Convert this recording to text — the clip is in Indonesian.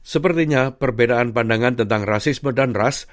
sepertinya perbedaan pandangan tentang rasisme dan ras